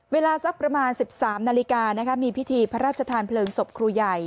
เวลาสักประมาณ๑๓นาฬิกามีพิธีพระราชทานเพลิงศพครูใหญ่